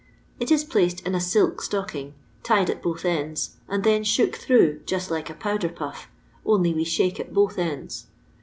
It is placed in a silk stocking, tied at both ends, and then shook through, jnat like a powder puff, only we shake at both enda.